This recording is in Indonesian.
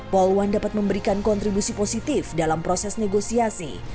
polwan dapat memberikan kontribusi positif dalam proses negosiasi